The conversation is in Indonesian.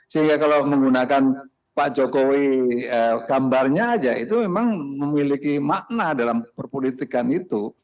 sehingga kalau menggunakan pak jokowi gambarnya aja itu memang memiliki makna dalam perpolitikan itu